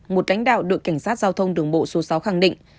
một cánh đạo đội cảnh sát giao thông đường bộ số sáu khẳng định